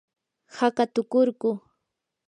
haqatukurquu.